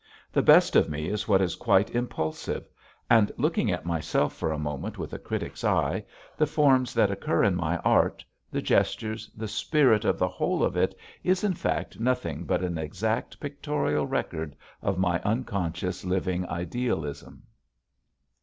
The best of me is what is quite impulsive; and, looking at myself for a moment with a critic's eye, the forms that occur in my art, the gestures, the spirit of the whole of it is in fact nothing but an exact pictorial record of my unconscious living idealism.